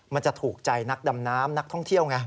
มันจะถูกใจนักดำน้ำนักท่องเที่ยวไง